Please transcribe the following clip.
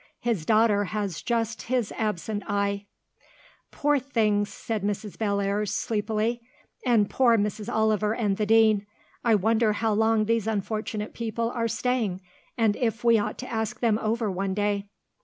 His daughter has just his absent eye." "Poor things," said Mrs. Bellairs, sleepily. "And poor Mrs. Oliver and the Dean. I wonder how long these unfortunate people are staying, and if we ought to ask them over one day?"